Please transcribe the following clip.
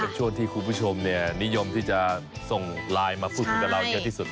เป็นช่วงที่คุณผู้ชมนิยมที่จะส่งไลน์มาพูดคุยกับเราเยอะที่สุด